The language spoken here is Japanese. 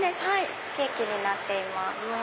ケーキになっています。